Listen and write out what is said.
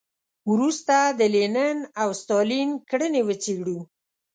وروسته د لینین او ستالین کړنې وڅېړو.